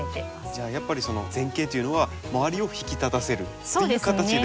じゃあやっぱりその前景というのは周りを引き立たせるっていう形で考えれば。